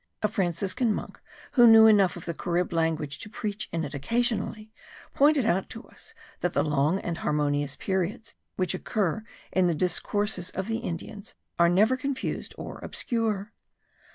A Franciscan monk, who knew enough of the Carib language to preach in it occasionally, pointed out to us that the long and harmonious periods which occur in the discourses of the Indians are never confused or obscure.